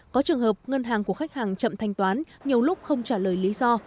có trường hợp ngân hàng của khách hàng chậm thanh toán nhiều lúc không trả lời lý do